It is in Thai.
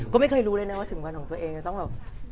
ก็ไม่เคยรู้เลยนะว่าถึงวันของตัวเองจะต้องแบบ